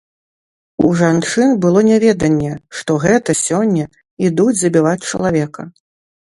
У жанчын было няведанне, што гэта сёння ідуць забіваць чалавека.